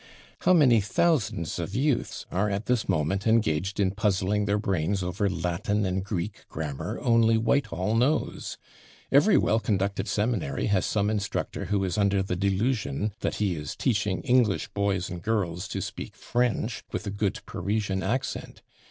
How many thousands of youths are at this moment engaged in puzzling their brains over Latin and Greek grammar only Whitehall knows. Every well conducted seminary has some instructor who is under the delusion that he is teaching English boys and girls to speak French with a good Parisian accent.